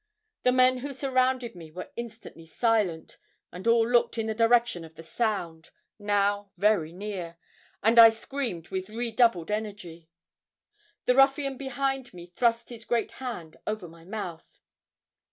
The men who surrounded me were instantly silent, and all looked in the direction of the sound, now very near, and I screamed with redoubled energy. The ruffian behind me thrust his great hand over my mouth.